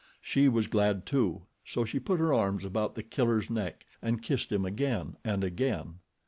She was glad too, so she put her arms about The Killer's neck and kissed him again and again.